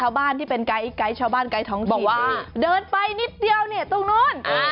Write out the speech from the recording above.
ชาวบ้านที่เป็นไกด์ชาวบ้านไกด์ท้องถิ่นเดินไปนิดเดียวเนี่ยตรงนู้น